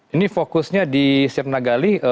ini fokusnya di sirna gale